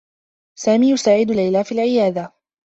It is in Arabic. سامي يساعد ليلى في العيادة.